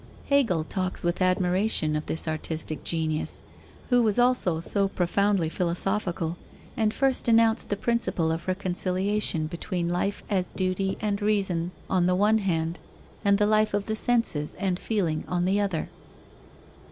Hegel talks with admiration of this artistic genius, who was also so profoundly philosophical and first announced the principle of reconciliation between life as duty and reason on the one hand, and the life of the senses and feeling on the other.